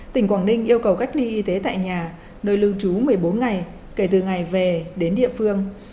tỉnh quảng ninh yêu cầu cách ly y tế tại nhà nơi lưu trú một mươi bốn ngày kể từ ngày về đến địa phương